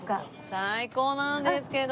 最高なんですけど。